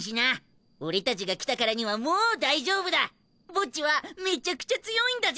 ボッジはめちゃくちゃ強いんだぜ！